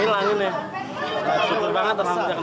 kalau nggak ketangkep nggak termasuk lagi hilang ini